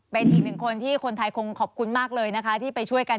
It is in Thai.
เป็นอีกหนึ่งคนที่คนไทยคงขอบคุณมากเลยนะคะที่ไปช่วยกัน